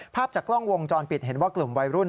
ภาพจากกล้องวงจรปิดเห็นว่ากลุ่มวัยรุ่น